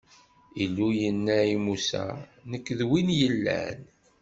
Illu yenna-d i Musa: Nekk, d Win yellan.